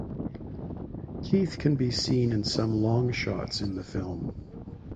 Keith can be seen in some long shots in the film.